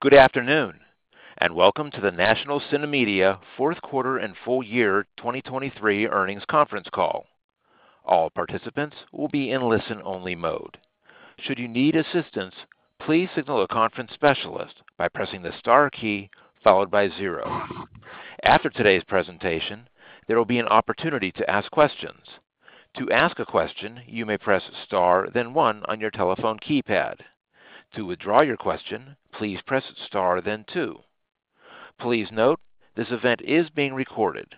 Good afternoon and welcome to the National CineMedia Fourth Quarter and Full Year 2023 Earnings Conference Call. All participants will be in listen-only mode. Should you need assistance, please signal a conference specialist by pressing the star key followed by zero. After today's presentation, there will be an opportunity to ask questions. To ask a question, you may press star then one on your telephone keypad. To withdraw your question, please press star then two. Please note, this event is being recorded.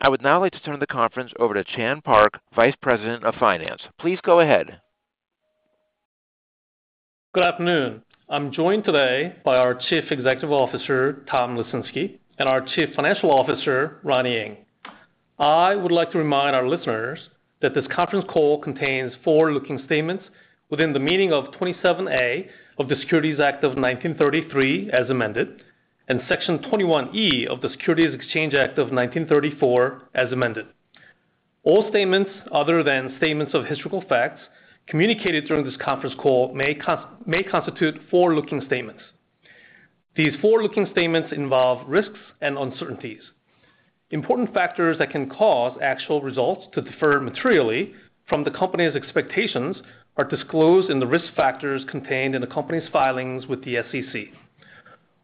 I would now like to turn the conference over to Chan Park, Vice President of Finance. Please go ahead. Good afternoon. I'm joined today by our Chief Executive Officer Tom Lesinski and our Chief Financial Officer Ronnie Ng. I would like to remind our listeners that this conference call contains forward-looking statements within the meaning of Section 27A of the Securities Act of 1933 as amended and Section 21E of the Securities Exchange Act of 1934 as amended. All statements other than statements of historical facts communicated during this conference call may constitute forward-looking statements. These forward-looking statements involve risks and uncertainties. Important factors that can cause actual results to differ materially from the company's expectations are disclosed in the risk factors contained in the company's filings with the SEC.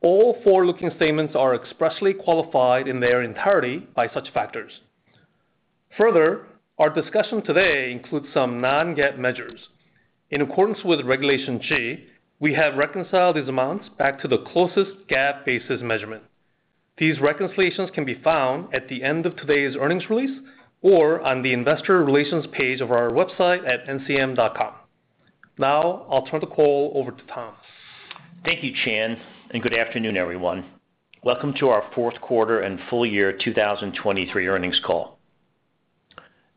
All forward-looking statements are expressly qualified in their entirety by such factors. Further, our discussion today includes some non-GAAP measures. In accordance with Regulation G, we have reconciled these amounts back to the closest GAAP basis measurement. These reconciliations can be found at the end of today's earnings release or on the Investor Relations page of our website at ncm.com. Now I'll turn the call over to Tom. Thank you, Chan, and good afternoon, everyone. Welcome to our fourth quarter and full year 2023 earnings call.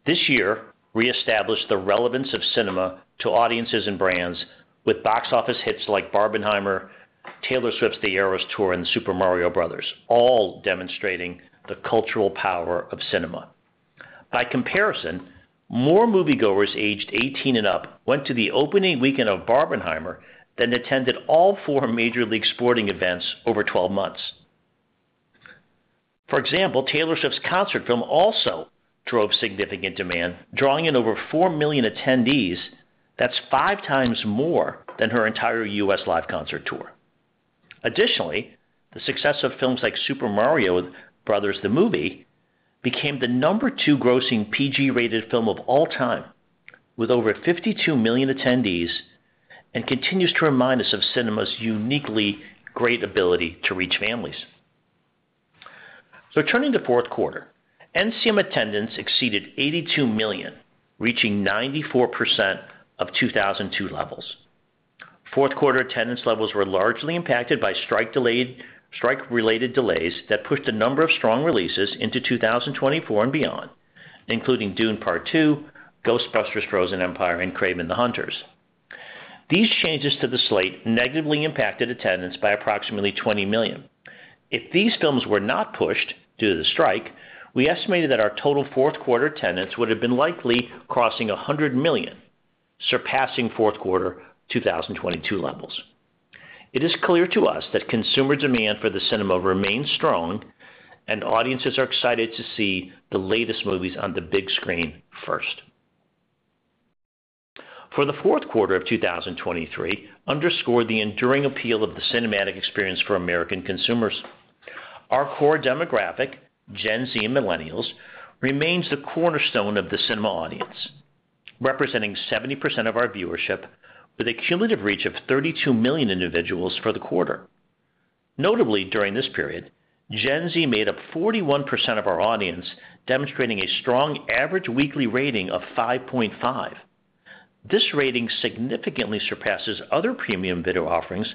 This year, we established the relevance of cinema to audiences and brands with box office hits like "Barbenheimer," "Taylor Swift: The Eras Tour," and "Super Mario Bros.," all demonstrating the cultural power of cinema. By comparison, more moviegoers aged 18 and up went to the opening weekend of "Barbenheimer" than attended all four Major League Sporting events over 12 months. For example, Taylor Swift's concert film also drove significant demand, drawing in over 4 million attendees. That's five times more than her entire U.S. live concert tour. Additionally, the success of films like "Super Mario Bros. The Movie" became the number two grossing PG-rated film of all time with over 52 million attendees and continues to remind us of cinema's uniquely great ability to reach families. Turning to fourth quarter, NCM attendance exceeded 82 million, reaching 94% of 2002 levels. Fourth quarter attendance levels were largely impacted by strike-related delays that pushed a number of strong releases into 2024 and beyond, including "Dune Part II," "Ghostbusters: Frozen Empire," and "Kraven the Hunter." These changes to the slate negatively impacted attendance by approximately 20 million. If these films were not pushed due to the strike, we estimated that our total fourth quarter attendance would have been likely crossing 100 million, surpassing fourth quarter 2022 levels. It is clear to us that consumer demand for the cinema remains strong, and audiences are excited to see the latest movies on the big screen first. The fourth quarter of 2023 underscored the enduring appeal of the cinematic experience for American consumers. Our core demographic, Gen Z and millennials, remains the cornerstone of the cinema audience, representing 70% of our viewership with a cumulative reach of 32 million individuals for the quarter. Notably, during this period, Gen Z made up 41% of our audience, demonstrating a strong average weekly rating of 5.5. This rating significantly surpasses other premium video offerings,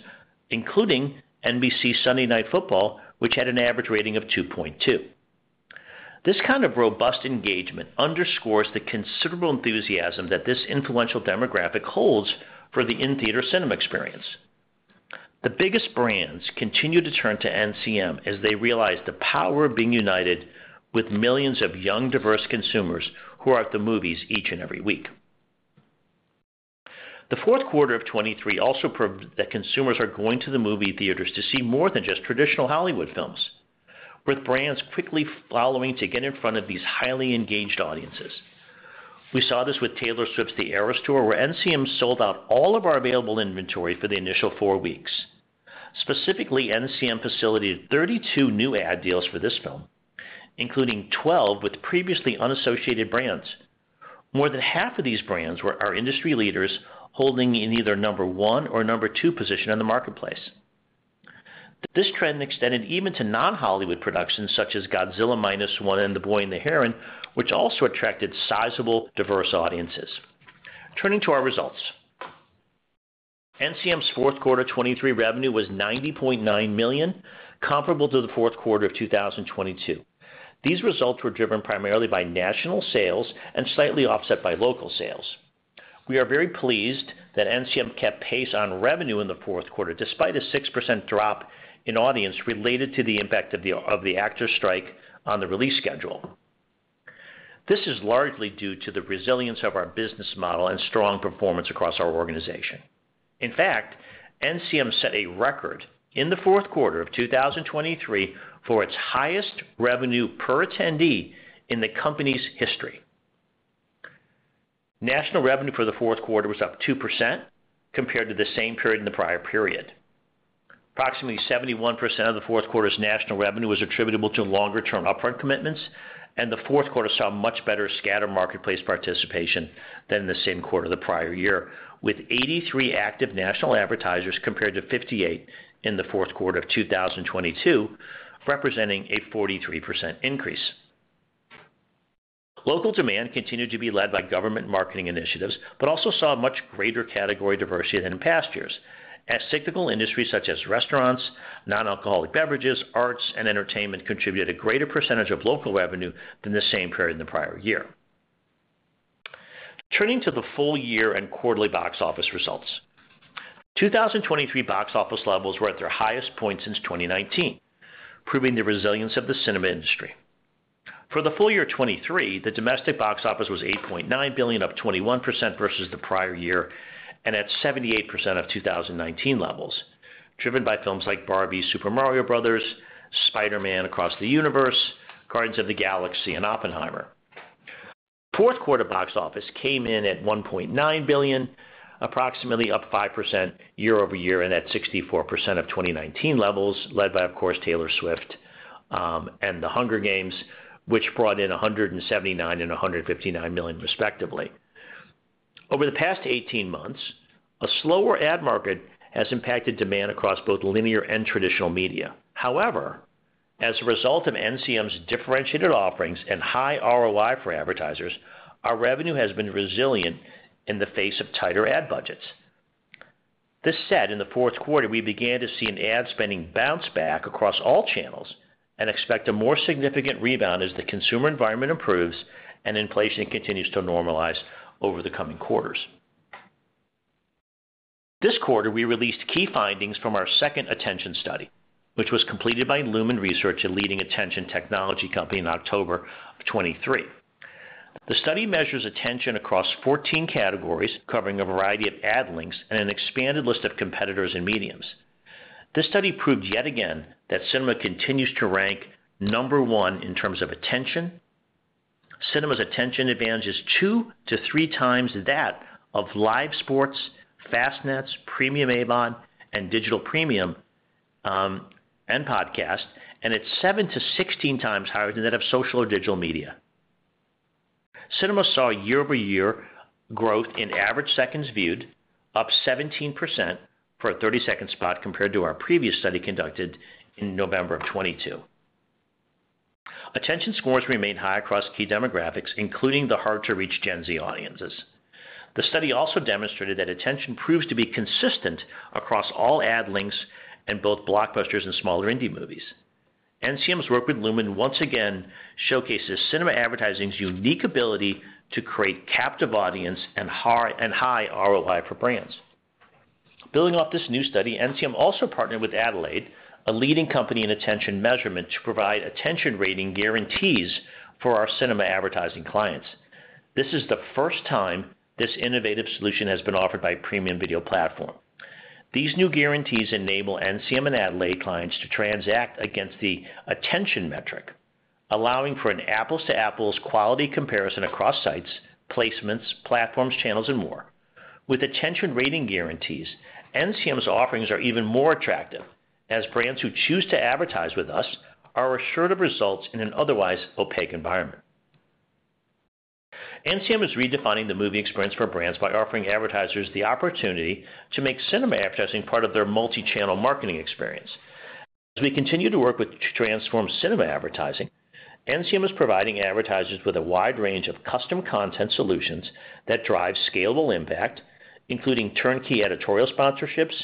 including NBC Sunday Night Football, which had an average rating of 2.2. This kind of robust engagement underscores the considerable enthusiasm that this influential demographic holds for the in-theater cinema experience. The biggest brands continue to turn to NCM as they realize the power of being united with millions of young, diverse consumers who are at the movies each and every week. The fourth quarter of 2023 also proved that consumers are going to the movie theaters to see more than just traditional Hollywood films, with brands quickly following to get in front of these highly engaged audiences. We saw this with Taylor Swift's "The Eras Tour," where NCM sold out all of our available inventory for the initial four weeks. Specifically, NCM facilitated 32 new ad deals for this film, including 12 with previously unassociated brands. More than half of these brands were our industry leaders holding either number one or number two position on the marketplace. This trend extended even to non-Hollywood productions such as "Godzilla Minus One" and "The Boy and the Heron," which also attracted sizable, diverse audiences. Turning to our results. NCM's fourth quarter 2023 revenue was $90.9 million, comparable to the fourth quarter of 2022. These results were driven primarily by national sales and slightly offset by local sales. We are very pleased that NCM kept pace on revenue in the fourth quarter despite a 6% drop in audience related to the impact of the actors' strike on the release schedule. This is largely due to the resilience of our business model and strong performance across our organization. In fact, NCM set a record in the fourth quarter of 2023 for its highest revenue per attendee in the company's history. National revenue for the fourth quarter was up 2% compared to the same period in the prior period. Approximately 71% of the fourth quarter's national revenue was attributable to longer-term upfront commitments, and the fourth quarter saw much better scattered marketplace participation than in the same quarter the prior year, with 83 active national advertisers compared to 58 in the fourth quarter of 2022, representing a 43% increase. Local demand continued to be led by government marketing initiatives but also saw much greater category diversity than in past years, as cyclical industries such as restaurants, non-alcoholic beverages, arts, and entertainment contributed a greater percentage of local revenue than the same period in the prior year. Turning to the full year and quarterly box office results. 2023 box office levels were at their highest points since 2019, proving the resilience of the cinema industry. For the full year 2023, the domestic box office was $8.9 billion, up 21% versus the prior year and at 78% of 2019 levels, driven by films like "Barbie," "Super Mario Bros.," "Spider-Man: Across the Universe," "Guardians of the Galaxy," and "Oppenheimer." Fourth quarter box office came in at $1.9 billion, approximately up 5% year-over-year and at 64% of 2019 levels, led by, of course, Taylor Swift and "The Hunger Games," which brought in $179 million and $159 million, respectively. Over the past 18 months, a slower ad market has impacted demand across both linear and traditional media. However, as a result of NCM's differentiated offerings and high ROI for advertisers, our revenue has been resilient in the face of tighter ad budgets. This said, in the fourth quarter, we began to see an ad spending bounce back across all channels and expect a more significant rebound as the consumer environment improves and inflation continues to normalize over the coming quarters. This quarter, we released key findings from our second attention study, which was completed by Lumen Research, a leading attention technology company, in October of 2023. The study measures attention across 14 categories, covering a variety of ad links and an expanded list of competitors and mediums. This study proved yet again that cinema continues to rank No. one in terms of attention. Cinema's attention advantage is 2x-3x that of live sports, Fastnets, Premium AVOD, and Digital Premium and podcast, and it's 7x-16x higher than that of social or digital media. Cinema saw year-over-year growth in average seconds viewed, up 17% for a 32nd spot compared to our previous study conducted in November of 2022. Attention scores remain high across key demographics, including the hard-to-reach Gen Z audiences. The study also demonstrated that attention proves to be consistent across all ad links and both blockbusters and smaller indie movies. NCM's work with Lumen once again showcases cinema advertising's unique ability to create captive audience and high ROI for brands. Building off this new study, NCM also partnered with Adelaide, a leading company in attention measurement, to provide attention rating guarantees for our cinema advertising clients. This is the first time this innovative solution has been offered by Premium Video Platform. These new guarantees enable NCM and Adelaide clients to transact against the attention metric, allowing for an apples-to-apples quality comparison across sites, placements, platforms, channels, and more. With attention rating guarantees, NCM's offerings are even more attractive as brands who choose to advertise with us are assured of results in an otherwise opaque environment. NCM is redefining the movie experience for brands by offering advertisers the opportunity to make cinema advertising part of their multi-channel marketing experience. As we continue to work with Transform Cinema Advertising, NCM is providing advertisers with a wide range of custom content solutions that drive scalable impact, including turnkey editorial sponsorships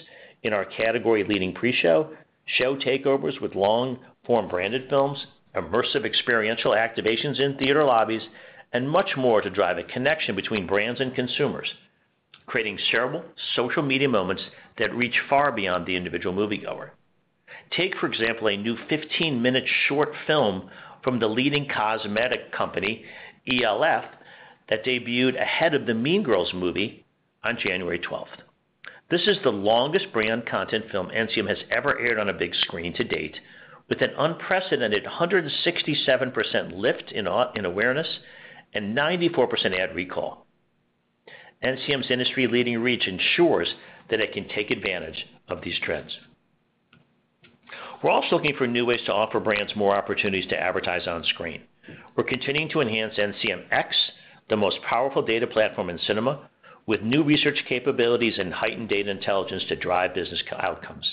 in our category-leading pre-show, show takeovers with long-form branded films, immersive experiential activations in theater lobbies, and much more to drive a connection between brands and consumers, creating shareable social media moments that reach far beyond the individual moviegoer. Take, for example, a new 15-minute short film from the leading cosmetic company, e.l.f., that debuted ahead of the "Mean Girls" movie on January 12th. This is the longest brand content film NCM has ever aired on a big screen to date, with an unprecedented 167% lift in awareness and 94% ad recall. NCM's industry-leading reach ensures that it can take advantage of these trends. We're also looking for new ways to offer brands more opportunities to advertise on screen. We're continuing to enhance NCMX, the most powerful data platform in cinema, with new research capabilities and heightened data intelligence to drive business outcomes.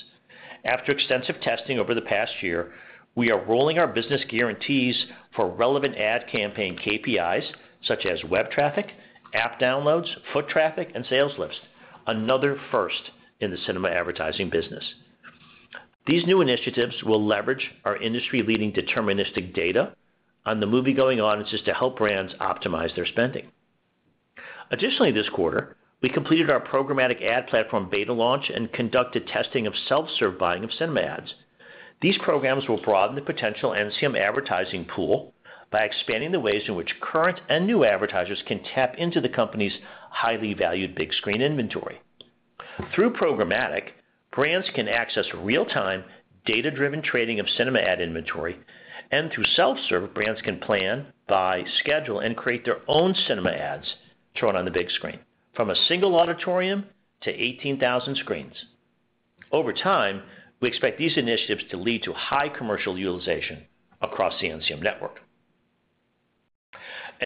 After extensive testing over the past year, we are rolling our business guarantees for relevant ad campaign KPIs such as web traffic, app downloads, foot traffic, and sales lifts, another first in the cinema advertising business. These new initiatives will leverage our industry-leading deterministic data on the moviegoing audiences to help brands optimize their spending. Additionally, this quarter, we completed our programmatic ad platform beta launch and conducted testing of self-serve buying of cinema ads. These programs will broaden the potential NCM advertising pool by expanding the ways in which current and new advertisers can tap into the company's highly valued big screen inventory. Through programmatic, brands can access real-time, data-driven trading of cinema ad inventory, and through self-serve, brands can plan, buy, schedule, and create their own cinema ads shown on the big screen, from a single auditorium to 18,000 screens. Over time, we expect these initiatives to lead to high commercial utilization across the NCM network.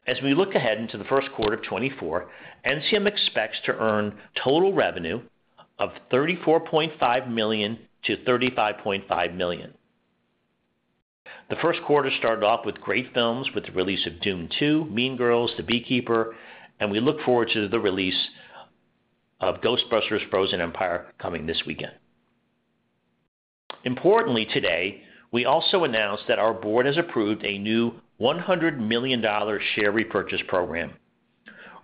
As we look ahead into the first quarter of 2024, NCM expects to earn total revenue of $34.5 million-$35.5 million. The first quarter started off with great films with the release of "Dune 2," "Mean Girls," "The Beekeeper," and we look forward to the release of "Ghostbusters: Frozen Empire" coming this weekend. Importantly, today, we also announced that our board has approved a new $100 million share repurchase program,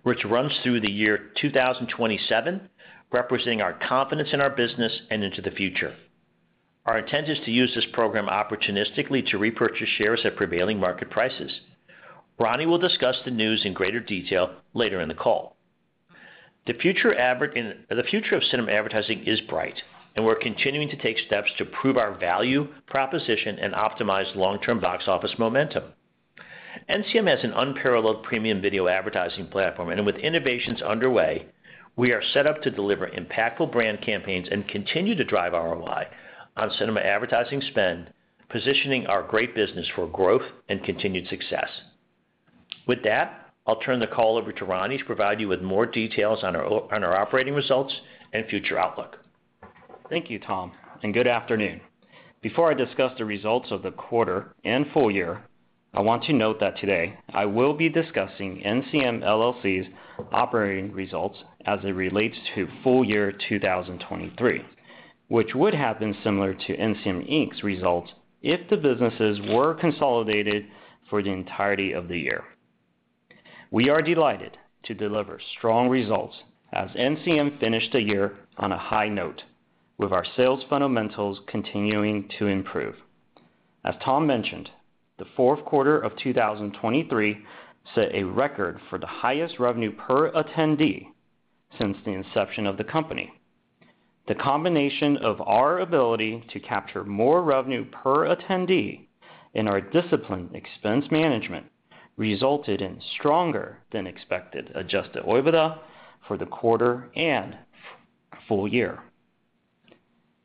which runs through the year 2027, representing our confidence in our business and into the future. Our intent is to use this program opportunistically to repurchase shares at prevailing market prices. Ronnie will discuss the news in greater detail later in the call. The future of cinema advertising is bright, and we're continuing to take steps to prove our value proposition and optimize long-term box office momentum. NCM has an unparalleled premium video advertising platform, and with innovations underway, we are set up to deliver impactful brand campaigns and continue to drive ROI on cinema advertising spend, positioning our great business for growth and continued success. With that, I'll turn the call over to Ronnie to provide you with more details on our operating results and future outlook. Thank you, Tom, and good afternoon. Before I discuss the results of the quarter and full year, I want to note that today I will be discussing NCM LLC's operating results as it relates to full year 2023, which would have been similar to NCM Inc.'s results if the businesses were consolidated for the entirety of the year. We are delighted to deliver strong results as NCM finished the year on a high note, with our sales fundamentals continuing to improve. As Tom mentioned, the fourth quarter of 2023 set a record for the highest revenue per attendee since the inception of the company. The combination of our ability to capture more revenue per attendee and our disciplined expense management resulted in stronger-than-expected Adjusted OIBADA for the quarter and full year.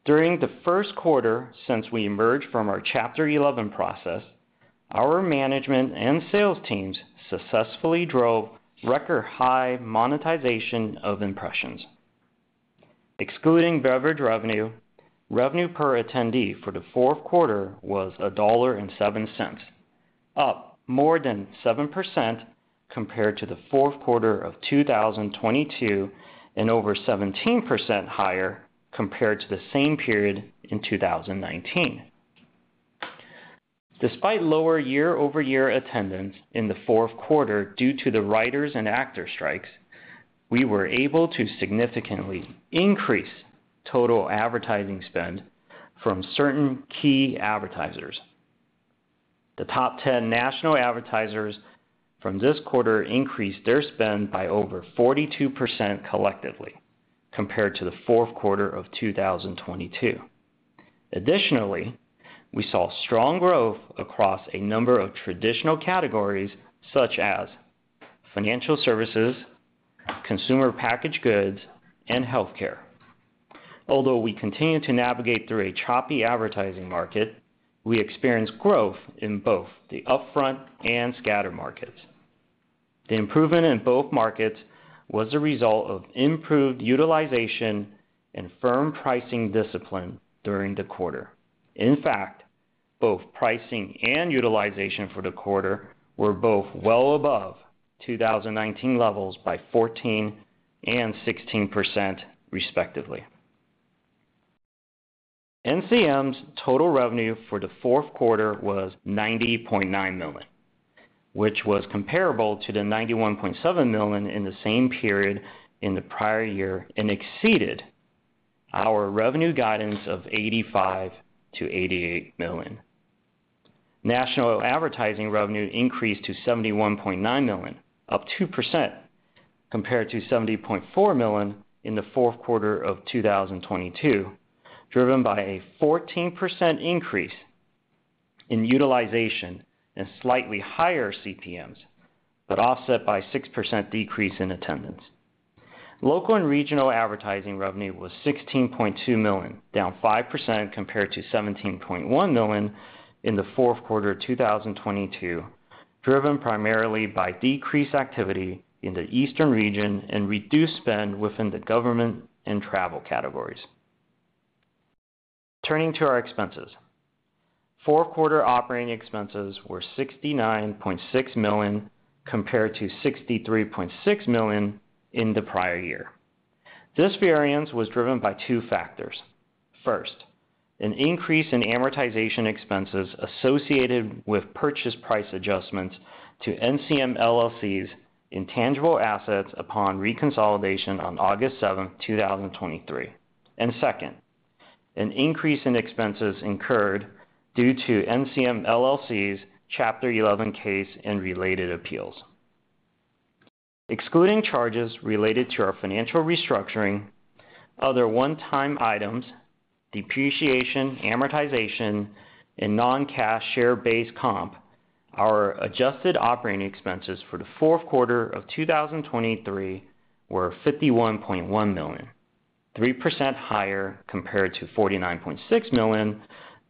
During the first quarter since we emerged from our Chapter 11 process, our management and sales teams successfully drove record-high monetization of impressions. Excluding beverage revenue, revenue per attendee for the fourth quarter was $1.07, up more than 7% compared to the fourth quarter of 2022 and over 17% higher compared to the same period in 2019. Despite lower year-over-year attendance in the fourth quarter due to the writers' and actors' strikes, we were able to significantly increase total advertising spend from certain key advertisers. The top 10 national advertisers from this quarter increased their spend by over 42% collectively compared to the fourth quarter of 2022. Additionally, we saw strong growth across a number of traditional categories such as financial services, consumer packaged goods, and healthcare. Although we continue to navigate through a choppy advertising market, we experienced growth in both the upfront and scattered markets. The improvement in both markets was a result of improved utilization and firm pricing discipline during the quarter. In fact, both pricing and utilization for the quarter were both well above 2019 levels by 14% and 16%, respectively. NCM's total revenue for the fourth quarter was $90.9 million, which was comparable to the $91.7 million in the same period in the prior year and exceeded our revenue guidance of $85 million-$88 million. National advertising revenue increased to $71.9 million, up 2% compared to $70.4 million in the fourth quarter of 2022, driven by a 14% increase in utilization and slightly higher CPMs but offset by a 6% decrease in attendance. Local and regional advertising revenue was $16.2 million, down 5% compared to $17.1 million in the fourth quarter of 2022, driven primarily by decreased activity in the eastern region and reduced spend within the government and travel categories. Turning to our expenses, fourth quarter operating expenses were $69.6 million compared to $63.6 million in the prior year. This variance was driven by two factors. First, an increase in amortization expenses associated with purchase price adjustments to NCM LLC's intangible assets upon reconsolidation on August 7th, 2023. And second, an increase in expenses incurred due to NCM LLC's Chapter 11 case and related appeals. Excluding charges related to our financial restructuring, other one-time items, depreciation, amortization, and non-cash share-based comp, our adjusted operating expenses for the fourth quarter of 2023 were $51.1 million, 3% higher compared to $49.6 million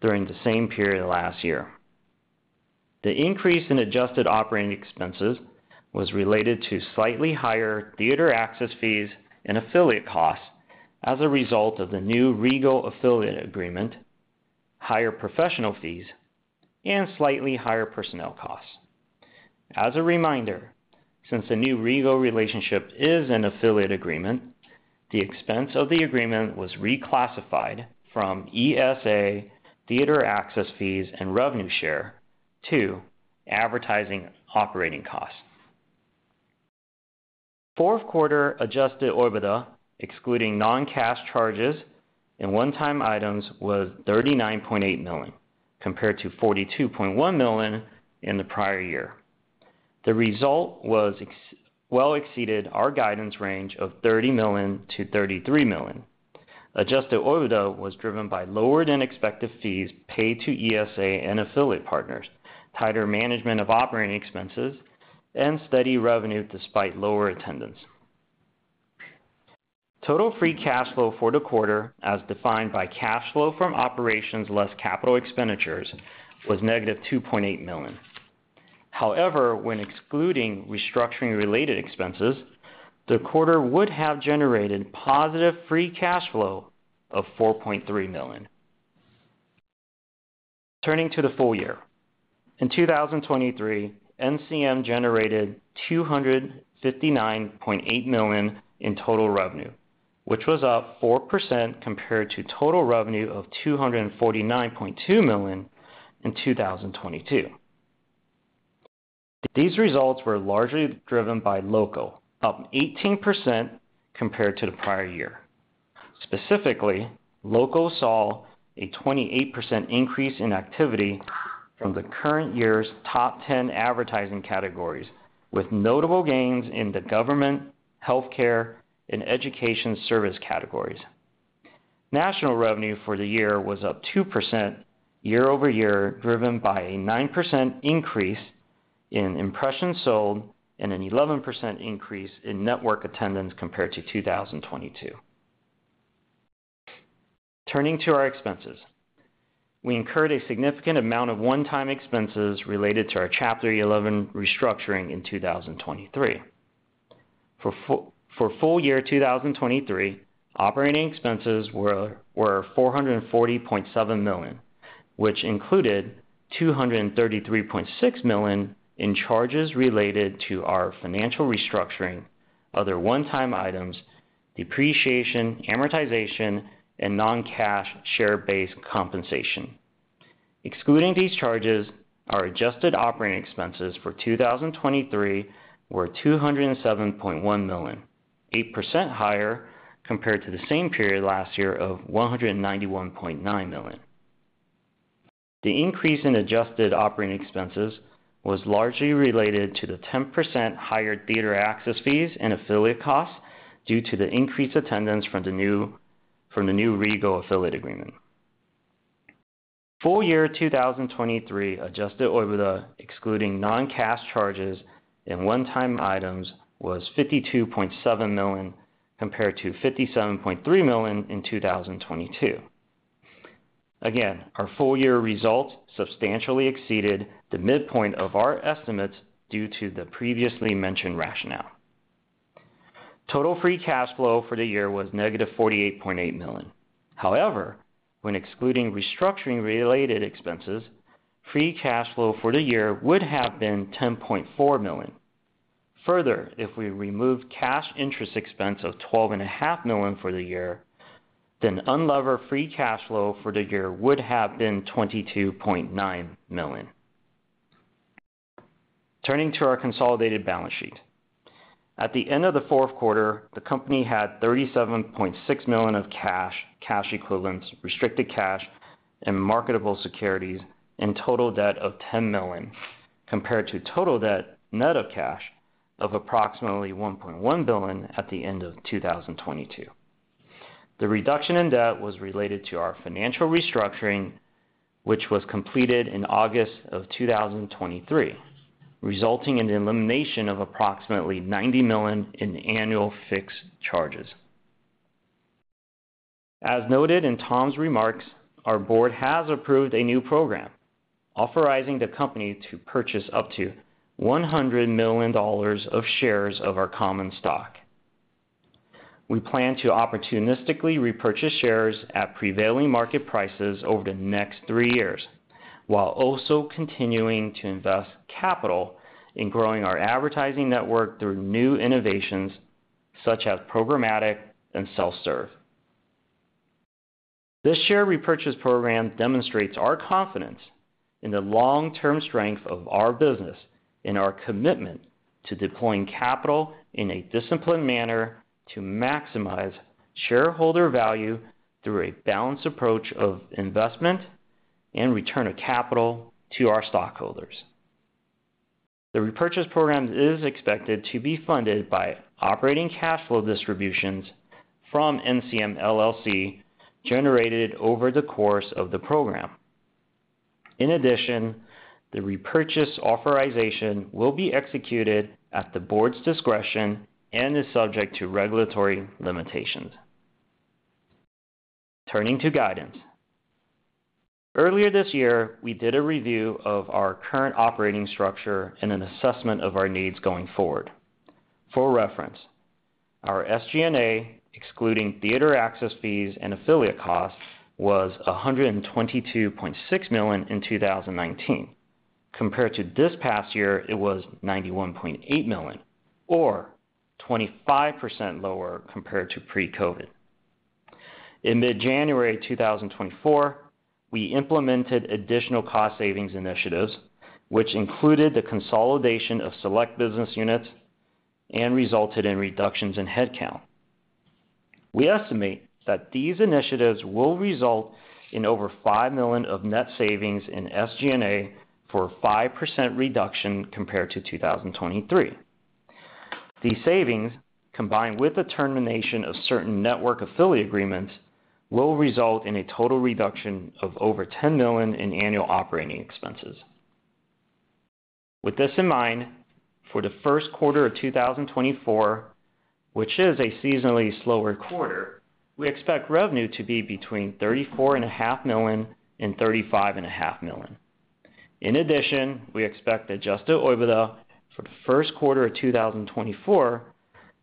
during the same period last year. The increase in adjusted operating expenses was related to slightly higher theater access fees and affiliate costs as a result of the new Regal affiliate agreement, higher professional fees, and slightly higher personnel costs. As a reminder, since the new Regal relationship is an affiliate agreement, the expense of the agreement was reclassified from ESA theater access fees and revenue share to advertising operating costs. Fourth quarter Adjusted OIBADA, excluding non-cash charges and one-time items, was $39.8 million compared to $42.1 million in the prior year. The result well exceeded our guidance range of $30 million-$33 million. Adjusted OIBADA was driven by lower-than-expected fees paid to ESA and affiliate partners, tighter management of operating expenses, and steady revenue despite lower attendance. Total free cash flow for the quarter, as defined by cash flow from operations less capital expenditures, was negative $2.8 million. However, when excluding restructuring-related expenses, the quarter would have generated positive free cash flow of $4.3 million. Turning to the full year, in 2023, NCM generated $259.8 million in total revenue, which was up 4% compared to total revenue of $249.2 million in 2022. These results were largely driven by local, up 18% compared to the prior year. Specifically, local saw a 28% increase in activity from the current year's top 10 advertising categories, with notable gains in the government, healthcare, and education service categories. National revenue for the year was up 2% year-over-year, driven by a 9% increase in impressions sold and an 11% increase in network attendance compared to 2022. Turning to our expenses, we incurred a significant amount of one-time expenses related to our Chapter 11 restructuring in 2023. For full year 2023, operating expenses were $440.7 million, which included $233.6 million in charges related to our financial restructuring, other one-time items, depreciation, amortization, and non-cash share-based compensation. Excluding these charges, our adjusted operating expenses for 2023 were $207.1 million, 8% higher compared to the same period last year of $191.9 million. The increase in adjusted operating expenses was largely related to the 10% higher theater access fees and affiliate costs due to the increased attendance from the new Regal affiliate agreement. Full year 2023 Adjusted OIBADA, excluding non-cash charges and one-time items, was $52.7 million compared to $57.3 million in 2022. Again, our full year results substantially exceeded the midpoint of our estimates due to the previously mentioned rationale. Total free cash flow for the year was negative $48.8 million. However, when excluding restructuring-related expenses, free cash flow for the year would have been $10.4 million. Further, if we removed cash interest expense of $12.5 million for the year, then unlevered free cash flow for the year would have been $22.9 million. Turning to our consolidated balance sheet. At the end of the fourth quarter, the company had $37.6 million of cash, cash equivalents, restricted cash, and marketable securities, and total debt of $10 million compared to total debt net of cash of approximately $1.1 billion at the end of 2022. The reduction in debt was related to our financial restructuring, which was completed in August of 2023, resulting in the elimination of approximately $90 million in annual fixed charges. As noted in Tom's remarks, our board has approved a new program authorizing the company to purchase up to $100 million of shares of our common stock. We plan to opportunistically repurchase shares at prevailing market prices over the next three years while also continuing to invest capital in growing our advertising network through new innovations such as programmatic and self-serve. This share repurchase program demonstrates our confidence in the long-term strength of our business and our commitment to deploying capital in a disciplined manner to maximize shareholder value through a balanced approach of investment and return of capital to our stockholders. The repurchase program is expected to be funded by operating cash flow distributions from NCM LLC generated over the course of the program. In addition, the repurchase authorization will be executed at the board's discretion and is subject to regulatory limitations. Turning to guidance. Earlier this year, we did a review of our current operating structure and an assessment of our needs going forward. For reference, our SG&A, excluding theater access fees and affiliate costs, was $122.6 million in 2019. Compared to this past year, it was $91.8 million, or 25% lower compared to pre-COVID. In mid-January 2024, we implemented additional cost-savings initiatives, which included the consolidation of select business units and resulted in reductions in headcount. We estimate that these initiatives will result in over $5 million of net savings in SG&A for a 5% reduction compared to 2023. These savings, combined with the termination of certain network affiliate agreements, will result in a total reduction of over $10 million in annual operating expenses. With this in mind, for the first quarter of 2024, which is a seasonally slower quarter, we expect revenue to be between $34.5 million and $35.5 million. In addition, we expect Adjusted OIBADA for the first quarter of 2024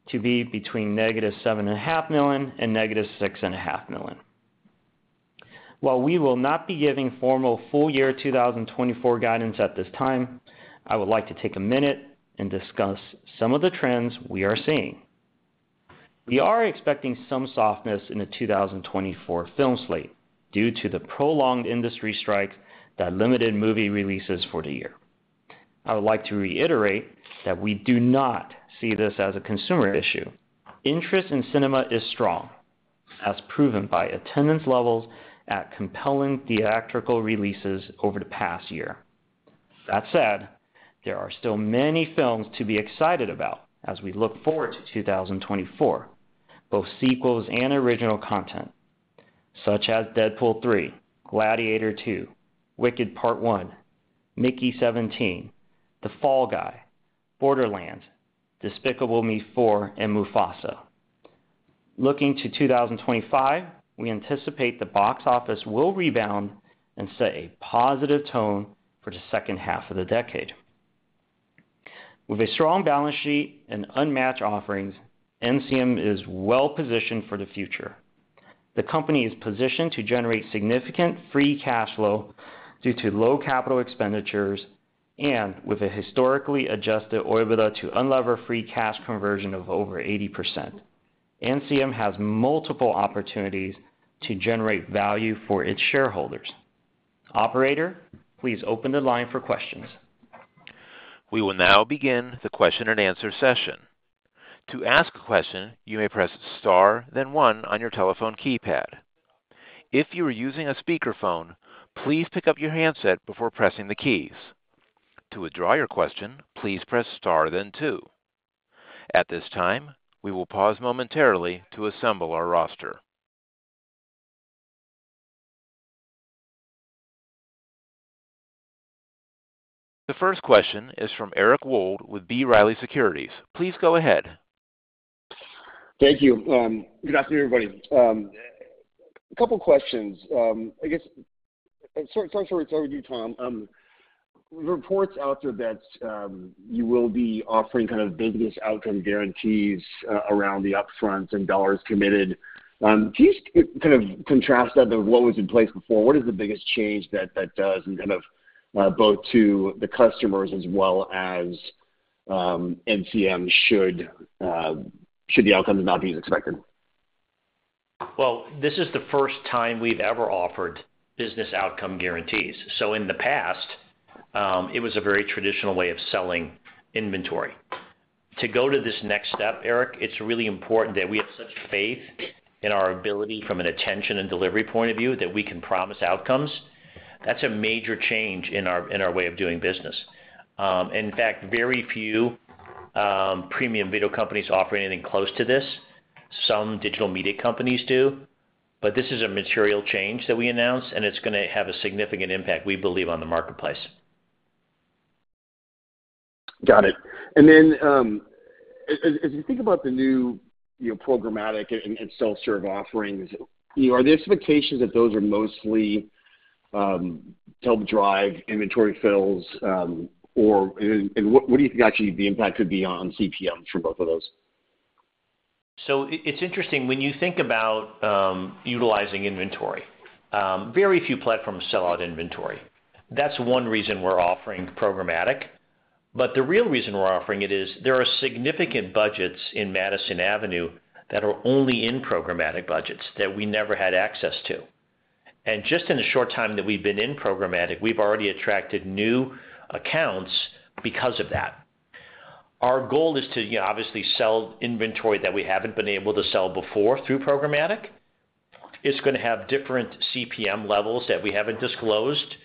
to be between -$7.5 million and -$6.5 million. While we will not be giving formal full year 2024 guidance at this time, I would like to take a minute and discuss some of the trends we are seeing. We are expecting some softness in the 2024 film slate due to the prolonged industry strikes that limited movie releases for the year. I would like to reiterate that we do not see this as a consumer issue. Interest in cinema is strong, as proven by attendance levels at compelling theatrical releases over the past year. That said, there are still many films to be excited about as we look forward to 2024, both sequels and original content, such as Deadpool 3, Gladiator 2, Wicked Part 1, Mickey 17, The Fall Guy, Borderlands, Despicable Me 4, and Mufasa. Looking to 2025, we anticipate the box office will rebound and set a positive tone for the second half of the decade. With a strong balance sheet and unmatched offerings, NCM is well positioned for the future. The company is positioned to generate significant free cash flow due to low capital expenditures and with a historically Adjusted OIBADA to unlevered free cash conversion of over 80%. NCM has multiple opportunities to generate value for its shareholders. Operator, please open the line for questions. We will now begin the question-and-answer session. To ask a question, you may press star, then one on your telephone keypad. If you are using a speakerphone, please pick up your handset before pressing the keys. To withdraw your question, please press star, then two. At this time, we will pause momentarily to assemble our roster. The first question is from Eric Wold with B. Riley Securities. Please go ahead. Thank you. Good afternoon, everybody. A couple of questions. I guess, sorry to start with you, Tom. There are reports out there that you will be offering kind of biggest outcome guarantees around the upfront and dollars committed. Can you kind of contrast that to what was in place before? What is the biggest change that that does and kind of both to the customers as well as NCM should the outcomes not be as expected? Well, this is the first time we've ever offered business outcome guarantees. So in the past, it was a very traditional way of selling inventory. To go to this next step, Eric, it's really important that we have such faith in our ability from an attention and delivery point of view that we can promise outcomes. That's a major change in our way of doing business. In fact, very few premium video companies offer anything close to this. Some digital media companies do. But this is a material change that we announce, and it's going to have a significant impact, we believe, on the marketplace. Got it. And then as you think about the new programmatic and self-serve offerings, are the expectations that those are mostly to help drive inventory fills? And what do you think actually the impact could be on CPMs from both of those? So it's interesting. When you think about utilizing inventory, very few platforms sell out inventory. That's one reason we're offering programmatic. But the real reason we're offering it is there are significant budgets in Madison Avenue that are only in programmatic budgets that we never had access to. And just in the short time that we've been in programmatic, we've already attracted new accounts because of that. Our goal is to obviously sell inventory that we haven't been able to sell before through programmatic. It's going to have different CPM levels that we haven't disclosed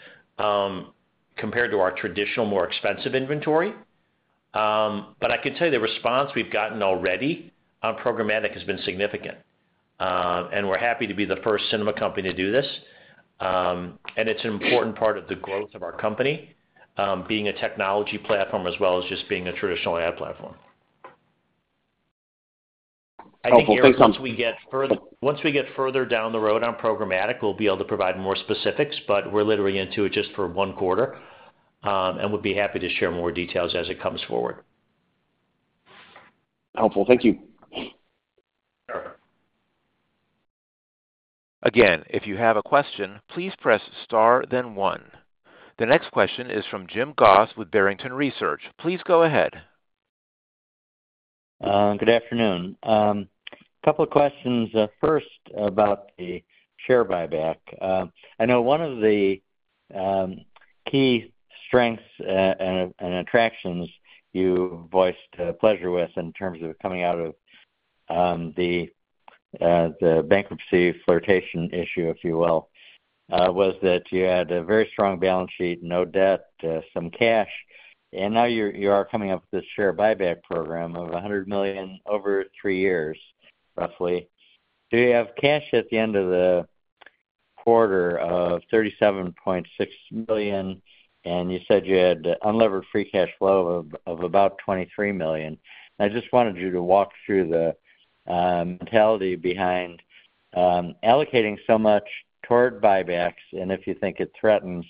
compared to our traditional, more expensive inventory. But I can tell you the response we've gotten already on programmatic has been significant. And we're happy to be the first cinema company to do this. And it's an important part of the growth of our company, being a technology platform as well as just being a traditional ad platform. I think, Eric, once we get further on programmatic, we'll be able to provide more specifics. But we're literally into it just for one quarter, and would be happy to share more details as it comes forward. Helpful. Thank you. Sure. Again, if you have a question, please press star, then one. The next question is from Jim Goss with Barrington Research. Please go ahead. Good afternoon. A couple of questions. First, about the share buyback. I know one of the key strengths and attractions you voiced pleasure with in terms of coming out of the bankruptcy flirtation issue, if you will, was that you had a very strong balance sheet, no debt, some cash. And now you are coming up with this share buyback program of $100 million over three years, roughly. Do you have cash at the end of the quarter of $37.6 million? And you said you had unlevered free cash flow of about $23 million. And I just wanted you to walk through the mentality behind allocating so much toward buybacks and if you think it threatens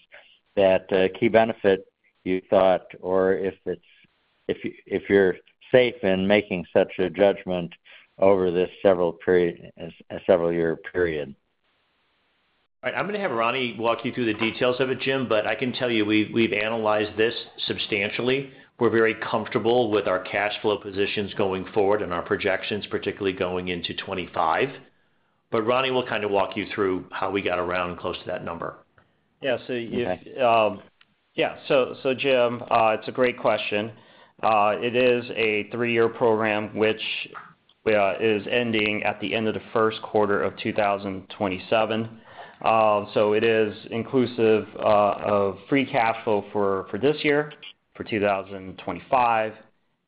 that key benefit, you thought, or if you're safe in making such a judgment over this several-year period. All right. I'm going to have Ronnie walk you through the details of it, Jim. But I can tell you we've analyzed this substantially. We're very comfortable with our cash flow positions going forward and our projections, particularly going into 2025. But Ronnie will kind of walk you through how we got around close to that number. Yeah. Yeah. So, Jim, it's a great question. It is a 3-year program which is ending at the end of the first quarter of 2027. So it is inclusive of free cash flow for this year, for 2025,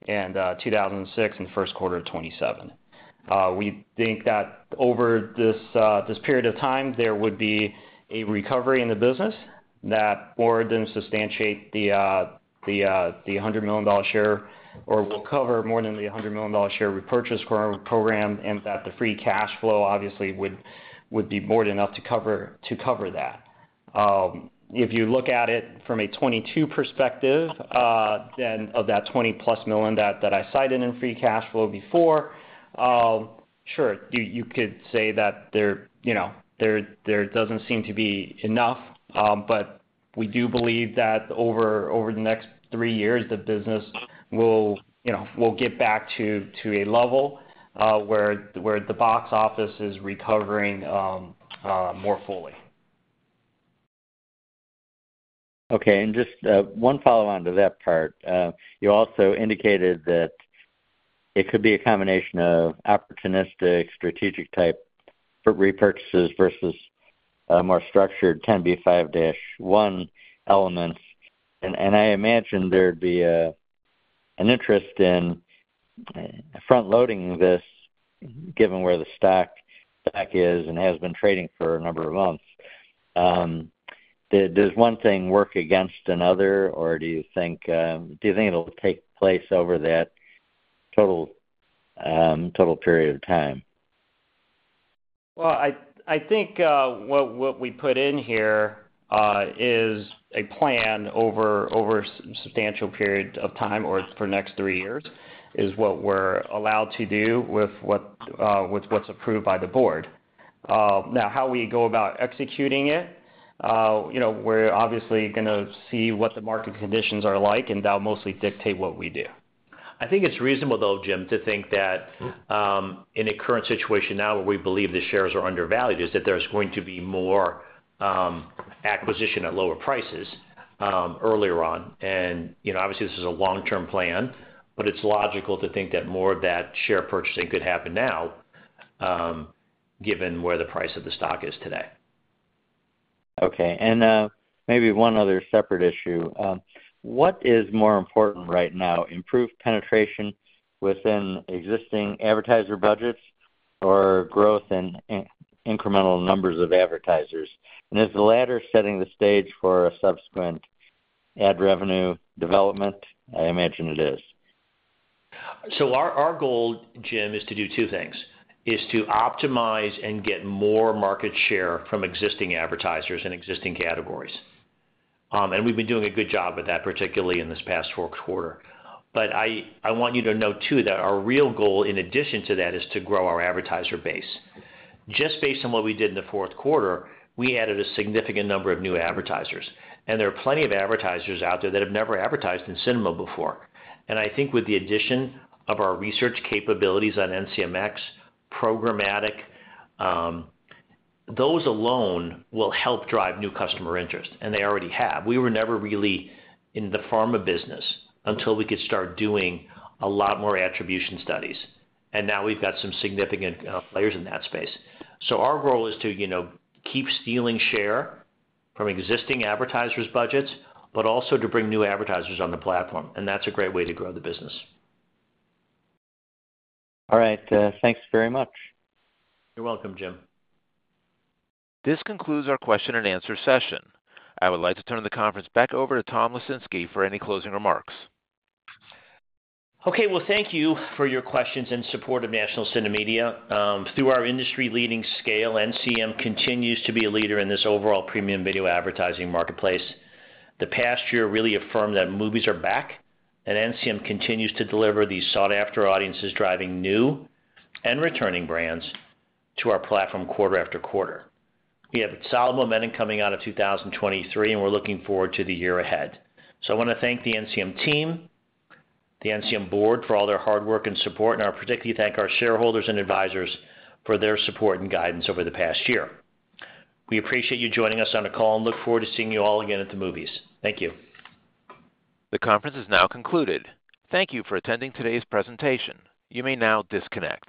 and 2026, and the first quarter of 2027. We think that over this period of time, there would be a recovery in the business that more than substantiate the $100 million share or will cover more than the $100 million share repurchase program and that the free cash flow, obviously, would be more than enough to cover that. If you look at it from a 2022 perspective, then of that $20+ million that I cited in free cash flow before, sure, you could say that there doesn't seem to be enough. But we do believe that over the next three years, the business will get back to a level where the box office is recovering more fully. Okay. And just one follow-on to that part. You also indicated that it could be a combination of opportunistic, strategic-type repurchases versus more structured 10b5-1 elements. And I imagine there'd be an interest in front-loading this given where the stock is and has been trading for a number of months. Does one thing work against another, or do you think it'll take place over that total period of time? Well, I think what we put in here is a plan over a substantial period of time or for the next three years is what we're allowed to do with what's approved by the board. Now, how we go about executing it, we're obviously going to see what the market conditions are like, and that'll mostly dictate what we do. I think it's reasonable, though, Jim, to think that in the current situation now where we believe the shares are undervalued, is that there's going to be more acquisition at lower prices earlier on. And obviously, this is a long-term plan. But it's logical to think that more of that share purchasing could happen now given where the price of the stock is today. Okay. And maybe one other separate issue. What is more important right now, improved penetration within existing advertiser budgets or growth in incremental numbers of advertisers? And is the latter setting the stage for a subsequent ad revenue development? I imagine it is. So our goal, Jim, is to do two things, is to optimize and get more market share from existing advertisers in existing categories. And we've been doing a good job with that, particularly in this past fourth quarter. But I want you to know, too, that our real goal, in addition to that, is to grow our advertiser base. Just based on what we did in the fourth quarter, we added a significant number of new advertisers. And there are plenty of advertisers out there that have never advertised in cinema before. And I think with the addition of our research capabilities on NCMX, programmatic, those alone will help drive new customer interest. And they already have. We were never really in the pharma business until we could start doing a lot more attribution studies. And now we've got some significant players in that space. So our goal is to keep stealing share from existing advertisers' budgets but also to bring new advertisers on the platform. And that's a great way to grow the business. All right. Thanks very much. You're welcome, Jim. This concludes our question-and-answer session. I would like to turn the conference back over to Tom Lesinski for any closing remarks. Okay. Well, thank you for your questions and support of National CineMedia. Through our industry-leading scale, NCM continues to be a leader in this overall premium video advertising marketplace. The past year really affirmed that movies are back, and NCM continues to deliver these sought-after audiences driving new and returning brands to our platform quarter after quarter. We have solid momentum coming out of 2023, and we're looking forward to the year ahead. So I want to thank the NCM team, the NCM board, for all their hard work and support. And I particularly thank our shareholders and advisors for their support and guidance over the past year. We appreciate you joining us on a call and look forward to seeing you all again at the movies. Thank you. The conference is now concluded. Thank you for attending today's presentation. You may now disconnect.